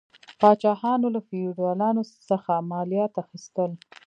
پاچاهانو له فیوډالانو څخه مالیات اخیستل.